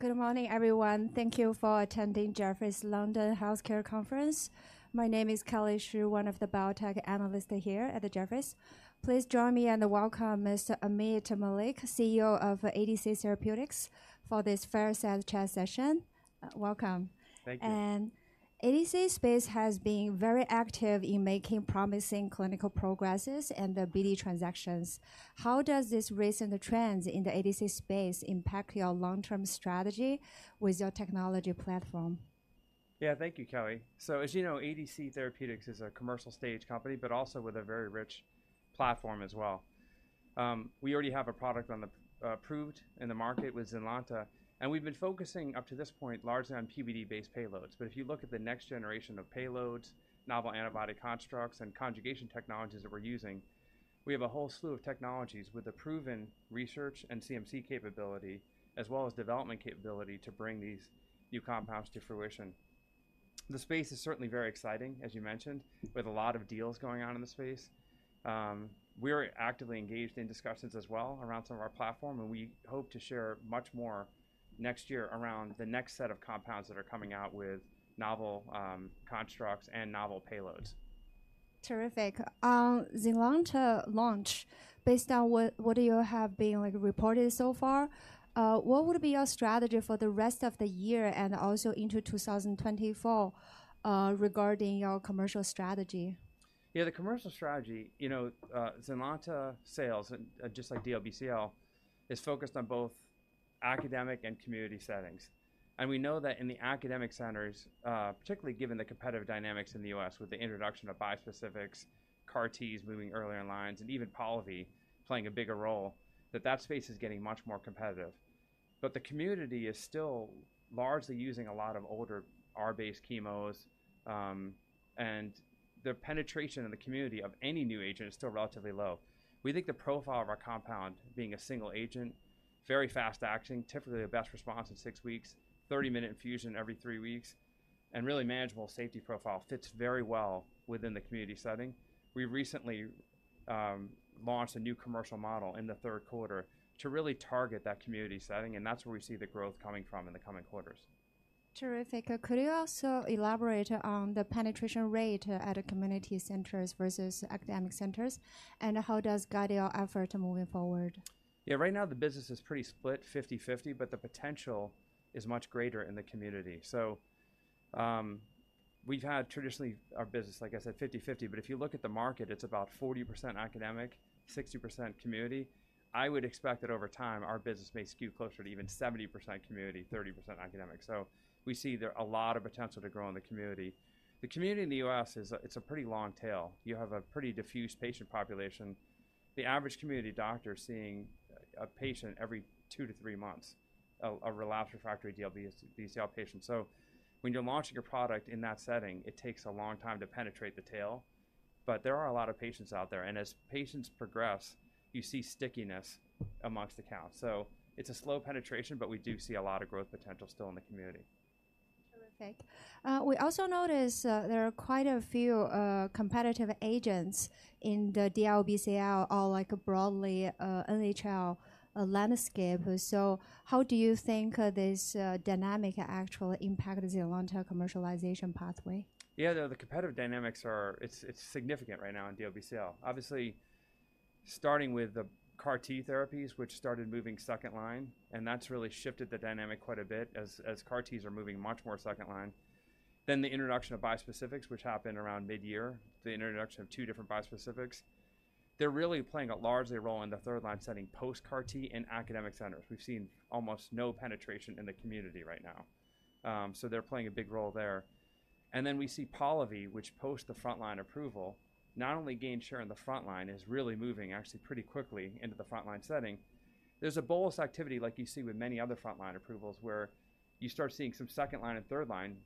Good morning, everyone. Thank you for attending Jefferies London Healthcare Conference. My name is Kelly Shi, one of the biotech analysts here at the Jefferies. Please join me and welcome Mr. Ameet Mallik, CEO of ADC Therapeutics, for this fireside chat session. Welcome. Thank you. ADC space has been very active in making promising clinical progress and the BD transactions. How does this recent trends in the ADC space impact your long-term strategy with your technology platform? Yeah, thank you, Kelly. So as you know, ADC Therapeutics is a commercial stage company, but also with a very rich platform as well. We already have a product on the approved in the market with Zynlonta, and we've been focusing up to this point, largely on PBD-based payloads. But if you look at the next generation of payloads, novel antibody constructs, and conjugation technologies that we're using, we have a whole slew of technologies with a proven research and CMC capability, as well as development capability to bring these new compounds to fruition. The space is certainly very exciting, as you mentioned, with a lot of deals going on in the space. We're actively engaged in discussions as well around some of our platform, and we hope to share much more next year around the next set of compounds that are coming out with novel, constructs and novel payloads. Terrific. On Zynlonta launch, based on what you have been, like, reported so far, what would be your strategy for the rest of the year and also into 2024, regarding your commercial strategy? Yeah, the commercial strategy, you know, Zynlonta sales, and just like DLBCL, is focused on both academic and community settings. And we know that in the academic centers, particularly given the competitive dynamics in the U.S. with the introduction of bispecifics, CAR Ts moving earlier in lines, and even Polivy playing a bigger role, that space is getting much more competitive. But the community is still largely using a lot of older R-based chemos, and the penetration in the community of any new agent is still relatively low. We think the profile of our compound being a single agent, very fast-acting, typically the best response in six weeks, 30-minute infusion every three weeks, and really manageable safety profile fits very well within the community setting. We recently launched a new commercial model in the third quarter to really target that community setting, and that's where we see the growth coming from in the coming quarters. Terrific. Could you also elaborate on the penetration rate at community centers versus academic centers, and how does guide your effort moving forward? Yeah, right now, the business is pretty split 50/50, but the potential is much greater in the community. We've had traditionally our business, like I said, 50/50, but if you look at the market, it's about 40% academic, 60% community. I would expect that over time, our business may skew closer to even 70% community, 30% academic. So we see there a lot of potential to grow in the community. The community in the U.S. is a pretty long tail. You have a pretty diffuse patient population. The average community doctor is seeing a patient every two to three months, a relapsed refractory DLBCL patient. So when you're launching a product in that setting, it takes a long time to penetrate the tail, but there are a lot of patients out there, and as patients progress, you see stickiness among accounts. It's a slow penetration, but we do see a lot of growth potential still in the community. Terrific. We also notice there are quite a few competitive agents in the DLBCL or like broadly NHL landscape. So how do you think this dynamic actually impact the long-term commercialization pathway? Yeah, the competitive dynamics are... It's significant right now in DLBCL. Obviously, starting with the CAR T therapies, which started moving second line, and that's really shifted the dynamic quite a bit as CAR Ts are moving much more second line. Then the introduction of bispecifics, which happened around mid-year, the introduction of two different bispecifics. They're really playing a large role in the third line setting, post-CAR T in academic centers. We've seen almost no penetration in the community right now. So they're playing a big role there. And then we see Polivy, which posts the frontline approval, not only gain share in the frontline, is really moving actually pretty quickly into the frontline setting. There's a bolus activity like you see with many other frontline approvals, where you start seeing some second-line and third-line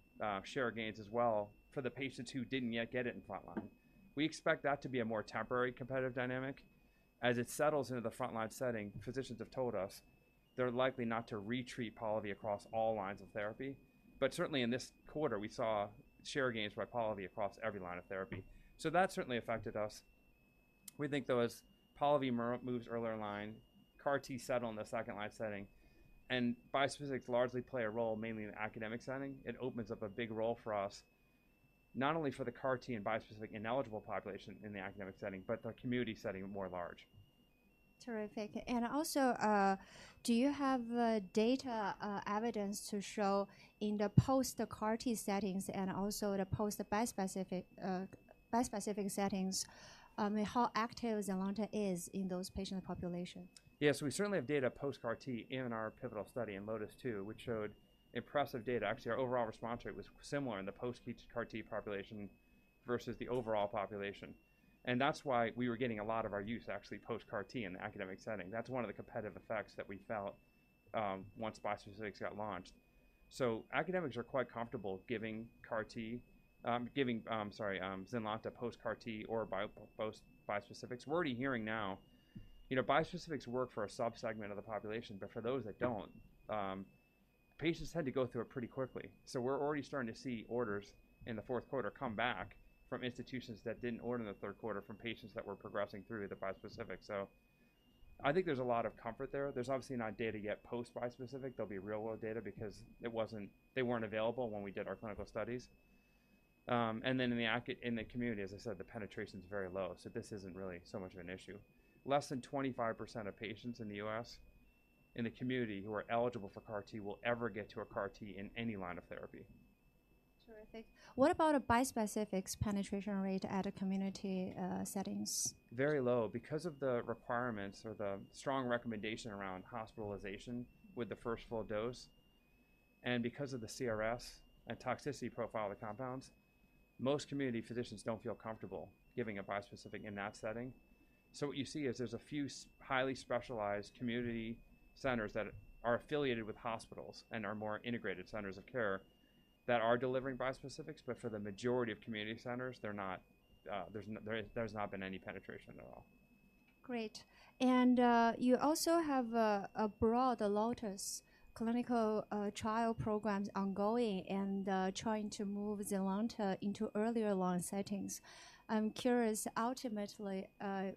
share gains as well for the patients who didn't yet get it in frontline. We expect that to be a more temporary competitive dynamic. As it settles into the frontline setting, physicians have told us they're likely not to retreat Polivy across all lines of therapy. But certainly in this quarter, we saw share gains by Polivy across every line of therapy. So that certainly affected us. We think, though, as Polivy moves earlier in line, CAR T settle in the second-line setting, and bispecifics largely play a role mainly in the academic setting, it opens up a big role for us, not only for the CAR T and bispecific ineligible population in the academic setting, but the community setting more large. Terrific. And also, do you have data, evidence to show in the post CAR T settings and also the post-bispecific, bispecific settings, how active Zynlonta is in those patient population? Yes, we certainly have data post-CAR T in our pivotal study in LOTIS-2, which showed impressive data. Actually, our overall response rate was similar in the post-CAR T population versus the overall population. And that's why we were getting a lot of our use, actually, post-CAR T in the academic setting. That's one of the competitive effects that we felt once bispecifics got launched. So academics are quite comfortable giving Zynlonta post-CAR T or post-bispecifics. We're already hearing now, you know, bispecifics work for a subsegment of the population, but for those that don't, patients had to go through it pretty quickly. So we're already starting to see orders in the fourth quarter come back from institutions that didn't order in the third quarter from patients that were progressing through the bispecific. So I think there's a lot of comfort there. There's obviously not data yet post-bispecific. There'll be real world data because it wasn't, they weren't available when we did our clinical studies. And then in the community, as I said, the penetration is very low, so this isn't really so much of an issue. Less than 25% of patients in the U.S., in the community, who are eligible for CAR T will ever get to a CAR T in any line of therapy. Terrific. What about a bispecific's penetration rate at a community settings? Very low. Because of the requirements or the strong recommendation around hospitalization with the first full dose, and because of the CRS and toxicity profile of the compounds, most community physicians don't feel comfortable giving a bispecific in that setting. So what you see is there's a few highly specialized community centers that are affiliated with hospitals and are more integrated centers of care, that are delivering bispecifics, but for the majority of community centers, they're not... There's not been any penetration at all. Great. And, you also have a broad LOTIS clinical trial programs ongoing and trying to move Zynlonta into earlier line settings. I'm curious, ultimately,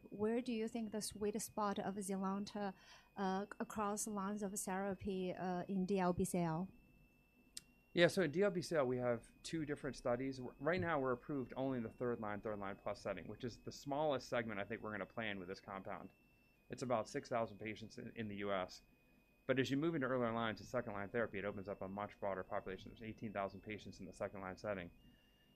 where do you think the sweet spot of Zynlonta across lines of therapy in DLBCL? Yeah. So in DLBCL, we have two different studies. Right now, we're approved only in the third line, third line-plus setting, which is the smallest segment I think we're gonna play in with this compound. It's about 6,000 patients in the U.S. But as you move into earlier line to second-line therapy, it opens up a much broader population. There's 18,000 patients in the second-line setting.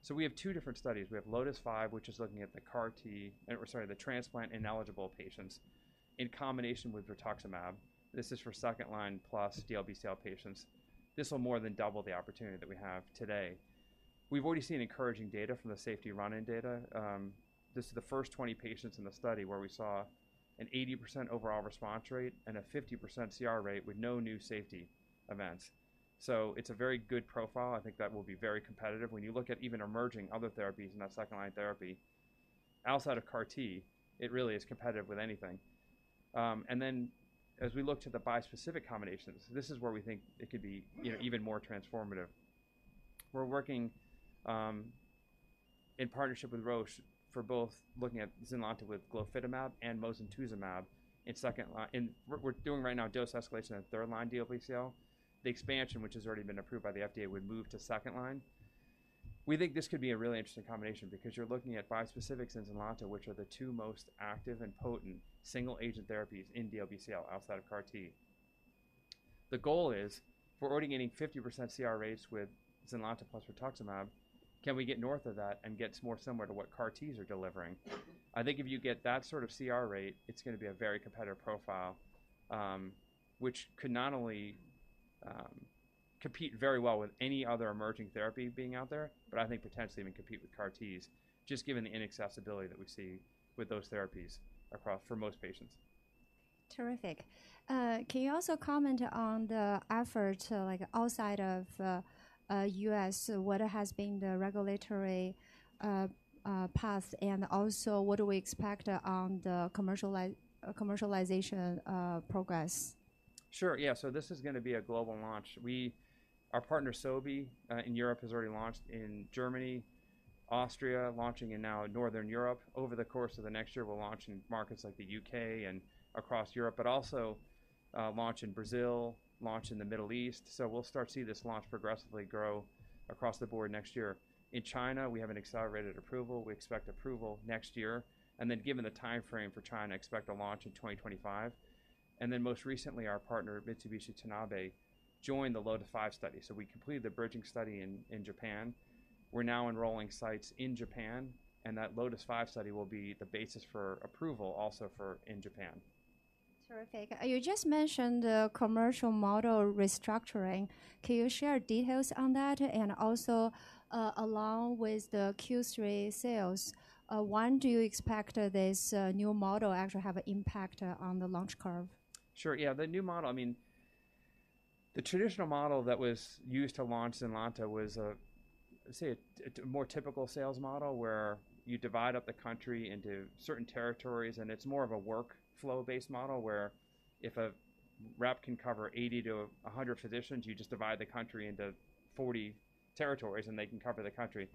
So we have two different studies. We have LOTIS-5, which is looking at the CAR T, the transplant-ineligible patients, in combination with rituximab. This is for second-line plus DLBCL patients. This will more than double the opportunity that we have today. We've already seen encouraging data from the safety run-in data. This is the first 20 patients in the study where we saw an 80% overall response rate and a 50% CR rate with no new safety events. So it's a very good profile. I think that will be very competitive. When you look at even emerging other therapies in that second-line therapy, outside of CAR T, it really is competitive with anything. And then as we look to the bispecific combinations, this is where we think it could be, you know, even more transformative. We're working, in partnership with Roche for both looking at Zynlonta with glofitamab and mosunetuzumab in second line. We're doing right now, dose escalation in third-line DLBCL. The expansion, which has already been approved by the FDA, would move to second line. We think this could be a really interesting combination because you're looking at bispecifics and Zynlonta, which are the two most active and potent single-agent therapies in DLBCL outside of CAR T. The goal is, if we're already getting 50% CR rates with Zynlonta plus rituximab, can we get north of that and get more similar to what CAR Ts are delivering? I think if you get that sort of CR rate, it's gonna be a very competitive profile, which could not only compete very well with any other emerging therapy being out there, but I think potentially even compete with CAR Ts, just given the inaccessibility that we see with those therapies across... for most patients. Terrific. Can you also comment on the effort, like outside of U.S., what has been the regulatory path, and also what do we expect on the commercialization progress? Sure. Yeah. So this is gonna be a global launch. We— our partner, Sobi, in Europe, has already launched in Germany, Austria, launching in now Northern Europe. Over the course of the next year, we'll launch in markets like the UK and across Europe, but also, launch in Brazil, launch in the Middle East. So we'll start to see this launch progressively grow across the board next year. In China, we have an accelerated approval. We expect approval next year, and then given the timeframe for China, expect a launch in 2025. And then most recently, our partner, Mitsubishi Tanabe, joined the LOTIS-5 study. So we completed the bridging study in Japan. We're now enrolling sites in Japan, and that LOTIS-5 study will be the basis for approval also for in Japan. Terrific. You just mentioned the commercial model restructuring. Can you share details on that? And also, along with the Q3 sales, when do you expect this new model to actually have an impact on the launch curve? Sure. Yeah, the new model, I mean, the traditional model that was used to launch Zynlonta was, say, a more typical sales model, where you divide up the country into certain territories, and it's more of a workflow-based model, where if a rep can cover 80 to 100 physicians, you just divide the country into 40 territories, and they can cover the country.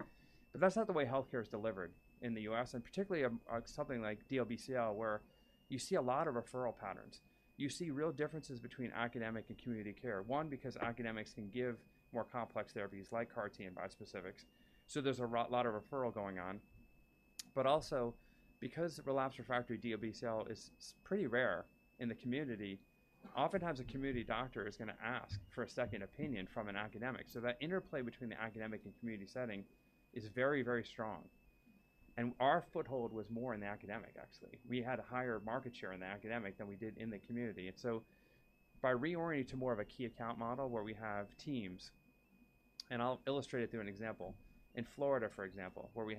But that's not the way healthcare is delivered in the U.S., and particularly on something like DLBCL, where you see a lot of referral patterns. You see real differences between academic and community care. One, because academics can give more complex therapies like CAR T and bispecifics, so there's a lot of referral going on. But also, because relapsed refractory DLBCL is pretty rare in the community, oftentimes, a community doctor is gonna ask for a second opinion from an academic. So that interplay between the academic and community setting is very, very strong, and our foothold was more in the academic, actually. We had a higher market share in the academic than we did in the community. And so by reorienting to more of a key account model where we have teams, and I'll illustrate it through an example. In Florida, for example, where we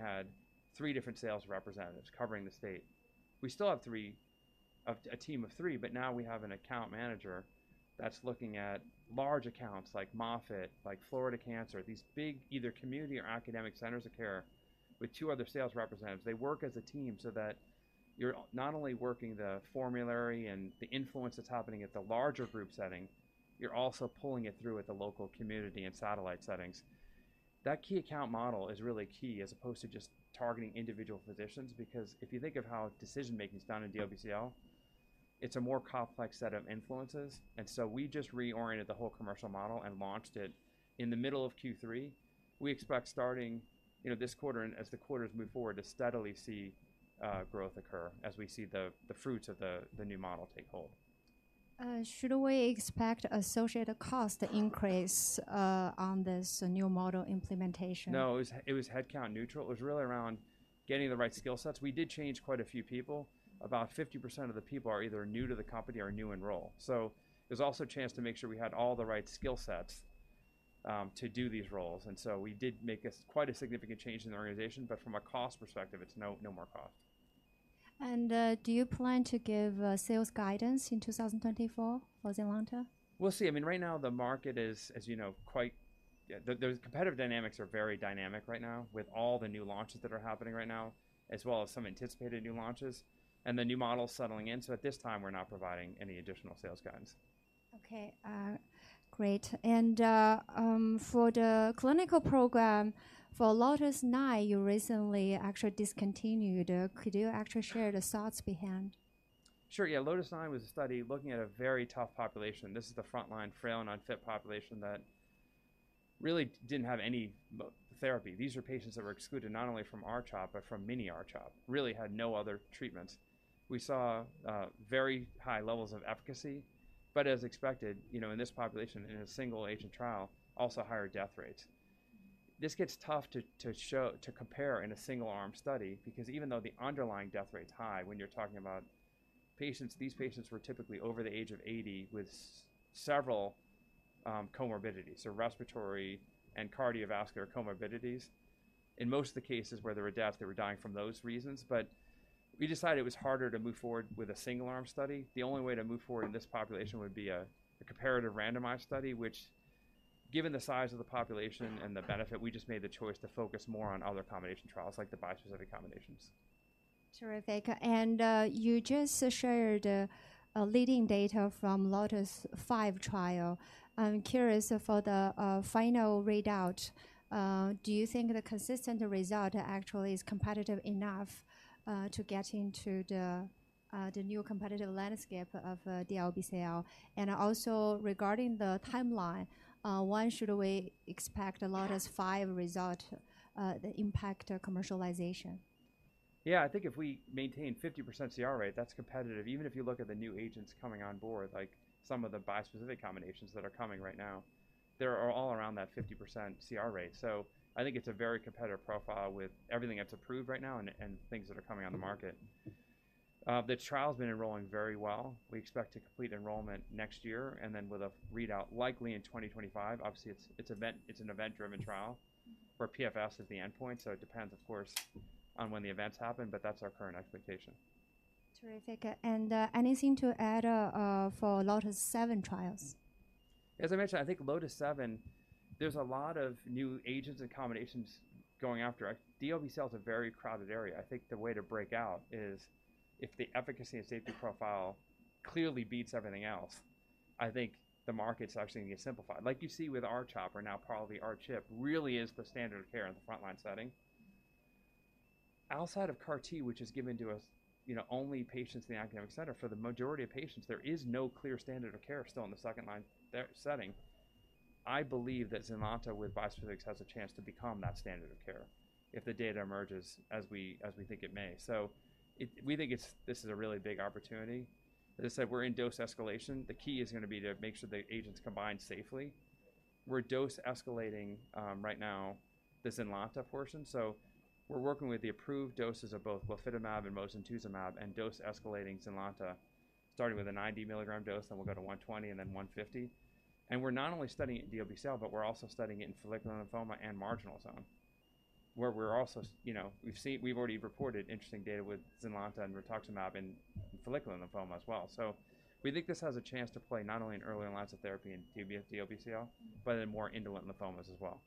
had three different sales representatives covering the state, we still have three, a team of three, but now we have an account manager that's looking at large accounts like Moffitt, like Florida Cancer, these big either community or academic centers of care with two other sales representatives. They work as a team so that you're not only working the formulary and the influence that's happening at the larger group setting, you're also pulling it through at the local community and satellite settings. That key account model is really key as opposed to just targeting individual physicians, because if you think of how decision making is done in DLBCL-... It's a more complex set of influences, and so we just reoriented the whole commercial model and launched it in the middle of Q3. We expect starting, you know, this quarter and as the quarters move forward, to steadily see growth occur as we see the fruits of the new model take hold. Should we expect associated cost to increase on this new model implementation? No, it was headcount neutral. It was really around getting the right skill sets. We did change quite a few people. About 50% of the people are either new to the company or new in role. So there's also a chance to make sure we had all the right skill sets to do these roles, and so we did make quite a significant change in the organization, but from a cost perspective, it's no more cost. Do you plan to give sales guidance in 2024 for Zynlonta? We'll see. I mean, right now, the market is, as you know, quite the competitive dynamics are very dynamic right now, with all the new launches that are happening right now, as well as some anticipated new launches and the new model settling in. So at this time, we're not providing any additional sales guidance. Okay. Great. And, for the clinical program, for LOTIS-9, you recently actually discontinued. Could you actually share the thoughts behind? Sure. Yeah, LOTIS-9 was a study looking at a very tough population. This is the frontline, frail, and unfit population that really didn't have any therapy. These are patients that were excluded not only from R-CHOP, but from mini-R-CHOP, really had no other treatments. We saw very high levels of efficacy, but as expected, you know, in this population, in a single agent trial, also higher death rates. This gets tough to show to compare in a single arm study, because even though the underlying death rate's high, when you're talking about patients, these patients were typically over the age of 80, with several comorbidities, so respiratory and cardiovascular comorbidities. In most of the cases where there were deaths, they were dying from those reasons. But we decided it was harder to move forward with a single arm study. The only way to move forward in this population would be a comparative randomized study, which given the size of the population and the benefit, we just made the choice to focus more on other combination trials, like the bispecific combinations. Terrific. And, you just shared a latest data from LOTIS-5 trial. I'm curious for the final readout, do you think the consistent result actually is competitive enough to get into the new competitive landscape of DLBCL? And also regarding the timeline, when should we expect a LOTIS-5 result, the impact commercialization? Yeah, I think if we maintain 50% CR rate, that's competitive. Even if you look at the new agents coming on board, like some of the bispecific combinations that are coming right now, they are all around that 50% CR rate. So I think it's a very competitive profile with everything that's approved right now and things that are coming on the market. The trial's been enrolling very well. We expect to complete enrollment next year, and then with a readout likely in 2025. Obviously, it's an event-driven trial where PFS is the endpoint, so it depends, of course, on when the events happen, but that's our current expectation. Terrific. And, anything to add for LOTIS-7 trials? As I mentioned, I think LOTIS-7, there's a lot of new agents and combinations going after. DLBCL is a very crowded area. I think the way to break out is if the efficacy and safety profile clearly beats everything else, I think the market's actually gonna get simplified. Like you see with R-CHOP or now probably R-CHP, really is the standard of care in the frontline setting. Outside of CAR T, which is given to us, you know, only patients in the academic center, for the majority of patients, there is no clear standard of care still in the second-line therapy setting. I believe that Zynlonta with bispecifics has a chance to become that standard of care if the data emerges as we, as we think it may. So it-- we think it's-- this is a really big opportunity. As I said, we're in dose escalation. The key is gonna be to make sure the agents combine safely. We're dose-escalating right now the Zynlonta portion, so we're working with the approved doses of both blinatumomab and mosunetuzumab and dose-escalating Zynlonta, starting with a 90-milligram dose, then we'll go to 120, and then 150. And we're not only studying it in DLBCL, but we're also studying it in follicular lymphoma and marginal zone, where we're also... You know, we've seen. We've already reported interesting data with Zynlonta and Rituximab in follicular lymphoma as well. So we think this has a chance to play not only in early lines of therapy in DLBCL, but in more indolent lymphomas as well.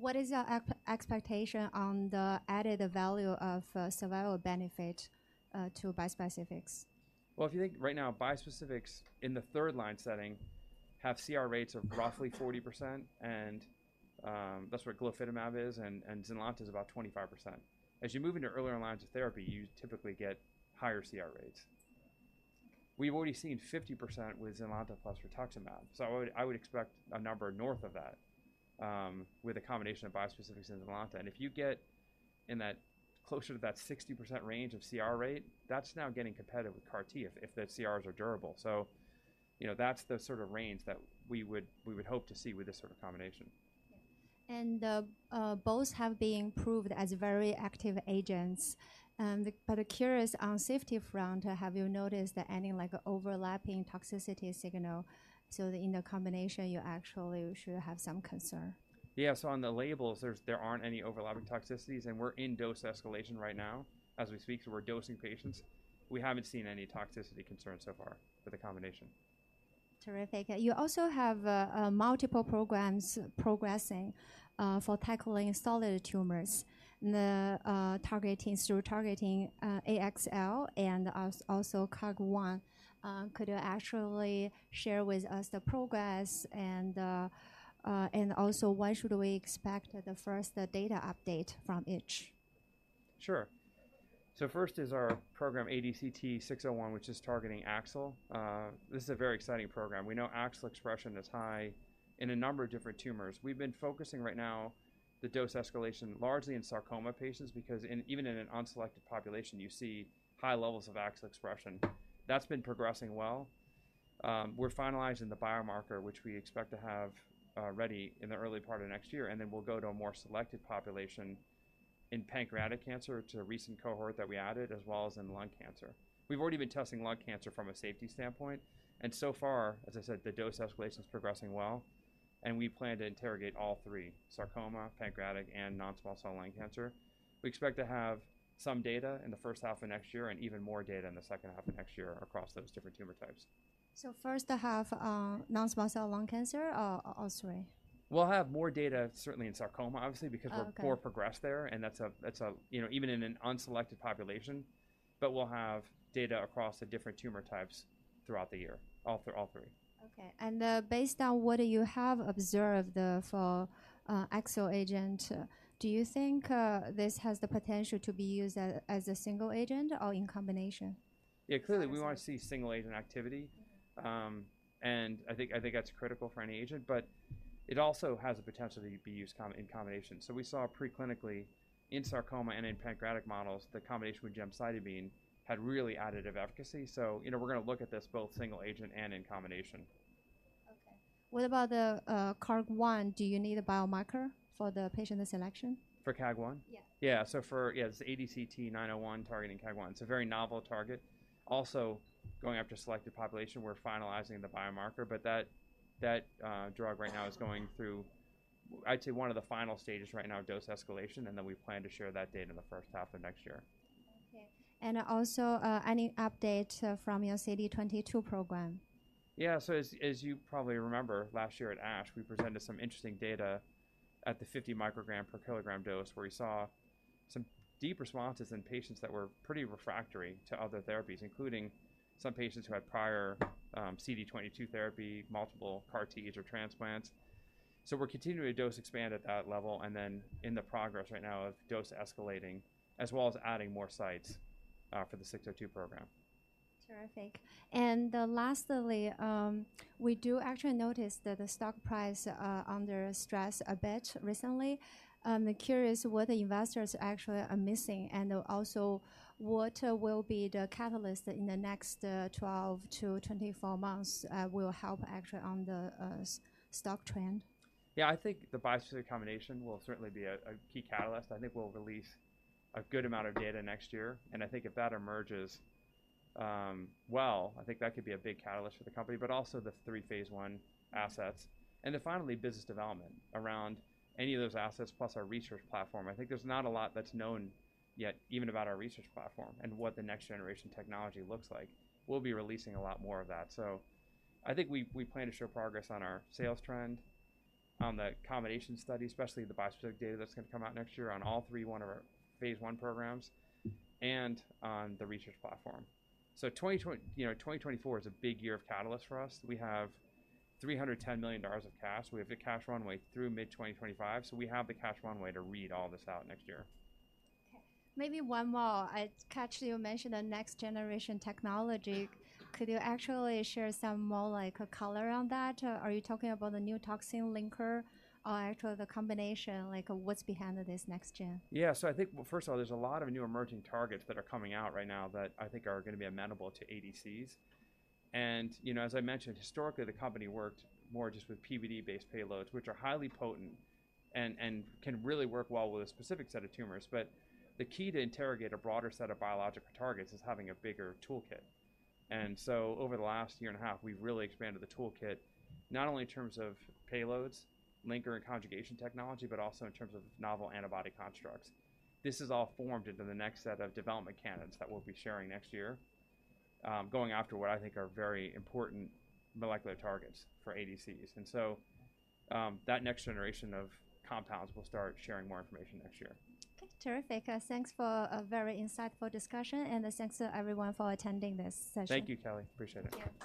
What is your expectation on the added value of survival benefit to bispecifics? Well, if you think right now, bispecifics in the third-line setting have CR rates of roughly 40%, and, that's where blinatumomab is, and Zynlonta is about 25%. As you move into earlier lines of therapy, you typically get higher CR rates. We've already seen 50% with Zynlonta plus rituximab, so I would, I would expect a number north of that, with a combination of bispecifics in Zynlonta. And if you get in that, closer to that 60% range of CR rate, that's now getting competitive with CAR T, if, the CRs are durable. So, you know, that's the sort of range that we would, we would hope to see with this sort of combination. Both have been proved as very active agents, but curious on safety front, have you noticed any, like, overlapping toxicity signal, so that in the combination you actually should have some concern? Yeah, so on the labels, there aren't any overlapping toxicities, and we're in dose escalation right now. As we speak, we're dosing patients. We haven't seen any toxicity concerns so far with the combination. Terrific. You also have multiple programs progressing for tackling solid tumors, targeting AXL and also KAAG1. Could you actually share with us the progress and also when should we expect the first data update from each?... Sure. So first is our program ADCT-601, which is targeting AXL. This is a very exciting program. We know AXL expression is high in a number of different tumors. We've been focusing right now, the dose escalation, largely in sarcoma patients, because even in an unselected population, you see high levels of AXL expression. That's been progressing well. We're finalizing the biomarker, which we expect to have ready in the early part of next year, and then we'll go to a more selected population in pancreatic cancer to a recent cohort that we added, as well as in lung cancer. We've already been testing lung cancer from a safety standpoint, and so far, as I said, the dose escalation is progressing well, and we plan to interrogate all three: sarcoma, pancreatic, and non-small cell lung cancer. We expect to have some data in the first half of next year and even more data in the second half of next year across those different tumor types. So first half, non-small cell lung cancer or, or all three? We'll have more data certainly in sarcoma, obviously- Okay. because we're more progressed there, and that's a... You know, even in an unselected population. But we'll have data across the different tumor types throughout the year, all three, all three. Okay. Based on what you have observed for the AXL agent, do you think this has the potential to be used as a single agent or in combination? Yeah, clearly, we want to see single-agent activity. And I think that's critical for any agent, but it also has the potential to be used in combination. So we saw preclinically in sarcoma and in pancreatic models, the combination with gemcitabine had really additive efficacy. So, you know, we're gonna look at this both single agent and in combination. Okay. What about the KAAG1? Do you need a biomarker for the patient selection? For KAAG1? Yeah. Yeah, it's ADCT-901 targeting KAAG1. It's a very novel target. Also, going after a selected population, we're finalizing the biomarker, but that, that drug right now is going through, I'd say, one of the final stages right now of dose escalation, and then we plan to share that data in the first half of next year. Okay. And also, any update from your CD22 program? Yeah. So as you probably remember, last year at ASH, we presented some interesting data at the 50 microgram per kilogram dose, where we saw some deep responses in patients that were pretty refractory to other therapies, including some patients who had prior CD22 therapy, multiple CAR T or transplants. So we're continuing to dose expand at that level, and then in the progress right now of dose escalating, as well as adding more sites for the 602 program. Terrific. And lastly, we do actually notice that the stock price under stress a bit recently. I'm curious what the investors actually are missing, and also, what will be the catalyst in the next 12 to 24 months that will help actually on the stock trend? Yeah, I think the biosimilar combination will certainly be a key catalyst. I think we'll release a good amount of data next year, and I think if that emerges, well, I think that could be a big catalyst for the company, but also the three Phase 1 assets. And then finally, business development around any of those assets, plus our research platform. I think there's not a lot that's known yet, even about our research platform and what the next-generation technology looks like. We'll be releasing a lot more of that. So I think we plan to show progress on our sales trend, on the combination study, especially the biosimilar data that's gonna come out next year on all three, one of our Phase 1 programs, and on the research platform. So 2024, you know, 2024 is a big year of catalyst for us. We have $310 million of cash. We have the cash runway through mid-2025, so we have the cash runway to read all this out next year. Okay. Maybe one more. I caught you mentioned the next-generation technology. Could you actually share some more, like, color on that? Or are you talking about the new toxin linker or actually the combination, like, what's behind this next-gen? Yeah. So I think, well, first of all, there's a lot of new emerging targets that are coming out right now that I think are gonna be amenable to ADCs. And, you know, as I mentioned, historically, the company worked more just with PBD-based payloads, which are highly potent and, and can really work well with a specific set of tumors. But the key to interrogate a broader set of biological targets is having a bigger toolkit. And so over the last year and a half, we've really expanded the toolkit, not only in terms of payloads, linker, and conjugation technology, but also in terms of novel antibody constructs. This is all formed into the next set of development candidates that we'll be sharing next year, going after what I think are very important molecular targets for ADCs. That next generation of compounds, we'll start sharing more information next year. Okay, terrific. Thanks for a very insightful discussion, and thanks to everyone for attending this session. Thank you, Kelly. Appreciate it. Thank you.